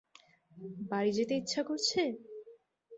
বাড়ি যেতে ইচ্ছা করছে?